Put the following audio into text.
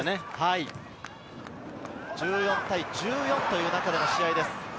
１４対１４という中での試合です。